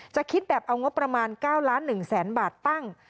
คิดแบบเอางบประมาณ๙ล้าน๑แสนบาทตั้ง